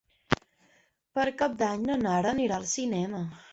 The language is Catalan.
Per Cap d'Any na Nara anirà al cinema.